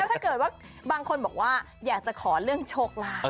ถ้าเกิดว่าบางคนบอกว่าอยากจะขอเรื่องโชคลาภ